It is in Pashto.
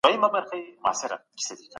د لیکلو پر مهال د جملو جوړښت ته کتل کېږي.